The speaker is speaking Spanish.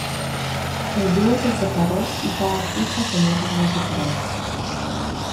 El dúo se separó, y cada artista tomó rumbos diferentes.